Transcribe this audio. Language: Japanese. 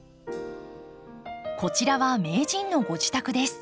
こちらは名人のご自宅です。